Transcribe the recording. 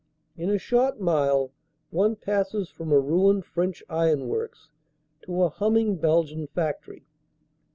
In a short mile one passes from a ruined French ironworks to a humming Belgian factory.